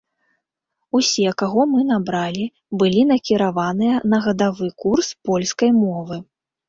Усе, каго мы набралі, былі накіраваныя на гадавы курс польскай мовы.